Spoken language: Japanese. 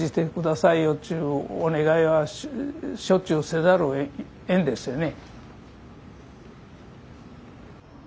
っちゅうお願いはしょっちゅうせざるをえんですよね。